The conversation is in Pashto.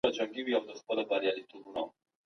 د لیکوالو فکري میراث زموږ شتمني ده.